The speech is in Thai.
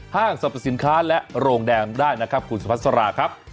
ห้างสรรพสินค้าและโรงแรมได้นะครับคุณสุพัสราครับ